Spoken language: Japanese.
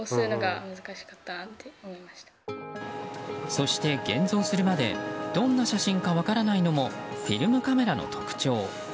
そして現像するまでどんな写真か分からないのもフィルムカメラの特徴。